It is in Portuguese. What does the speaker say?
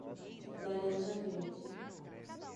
Laranja verde.